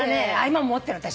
今も持ってる私。